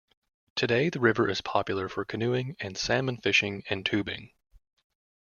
Today, the river is popular for canoeing and salmon fishing, and tubing.